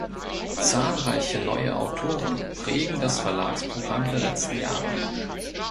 Zahlreiche neue Autoren prägen das Verlagsprogramm der letzten Jahre.